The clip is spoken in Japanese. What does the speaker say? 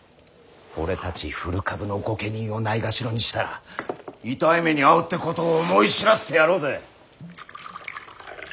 俺たち古株の御家人をないがしろにしたら痛い目に遭うってことを思い知らせてやろうぜ。